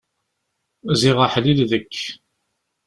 Ziɣ aḥlil deg-k!